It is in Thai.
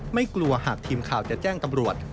ไม่กลัวหากทีมข่าวจะแจ้งตำรวจ